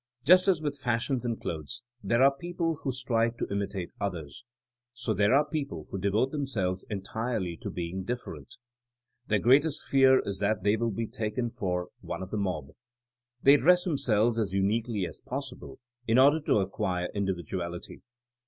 Just as with fashions in clothes there are people who strive to imitate others, so there are people who devote themselves entirely to being ''differ enf Their greatest fear is that they will be taken for one of the mob. '' They dress them selves as uniquely as possible in order to ac quire *^ individuality.